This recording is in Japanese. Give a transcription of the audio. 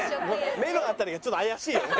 目の辺りがちょっと怪しいよね。